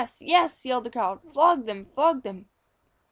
Yes!" yelled the crowd. "Flog them! Flog them!"